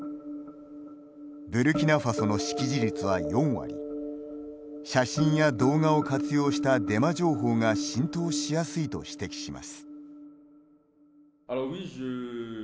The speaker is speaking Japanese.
ブルキナファソの識字率は４割写真や動画を活用したデマ情報が浸透しやすいと指摘します。